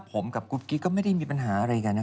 ผมกับกุ๊กกิ๊กก็ไม่ได้มีปัญหาอะไรกันนะ